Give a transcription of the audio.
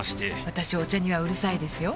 私お茶にはうるさいですよ